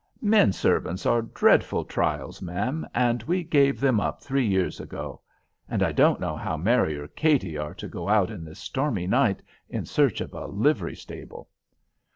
"Men servants are dreadful trials, ma'am, and we gave them up three years ago. And I don't know how Mary or Katy are to go out this stormy night in search of a livery stable."